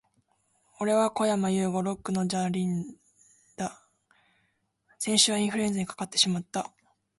俺はこやまゆうご。Lock のジャンリだ。先週はインフルエンザにかかってしまった、、、